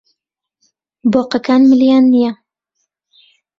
بۆقەکان ملیان نییە.